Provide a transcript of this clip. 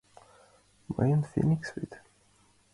— Мыйын феникс вет.